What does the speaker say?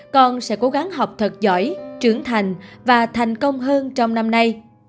con sẽ cố gắng học thật giỏi trưởng thành và thành công hơn trong năm nay